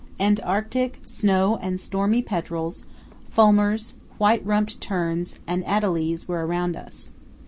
Antarctic, snow and stormy petrels, fulmars, white rumped terns, and adelies were around us.